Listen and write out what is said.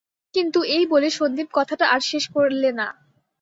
কিন্তু– এই বলে সন্দীপ কথাটা আর শেষ করলে না।